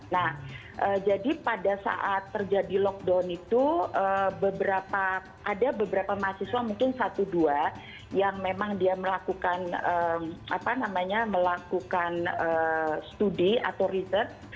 nah jadi pada saat terjadi lockdown itu ada beberapa mahasiswa mungkin satu dua yang memang dia melakukan study atau research